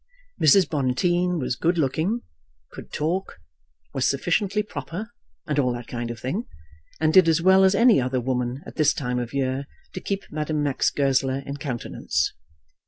Mrs. Bonteen was good looking, could talk, was sufficiently proper, and all that kind of thing, and did as well as any other woman at this time of year to keep Madame Max Goesler in countenance.